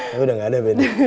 tapi udah gak ada bedanya